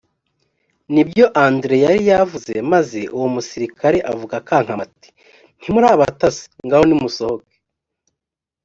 n ibyo andre yari yavuze maze uwo musirikare avuga akankama ati ntimuri abatasi ngaho nimusohoke